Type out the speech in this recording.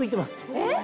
・えっ！？